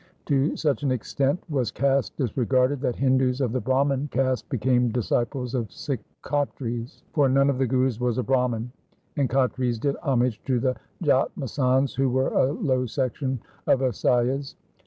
To such an extent was caste disregarded that Hindus of the Brahman caste became disciples of Sikh Khatris, for none of the Gurus was a Brahman ; and Khatris did homage to the J at masands, who were a low section of Vaisyas.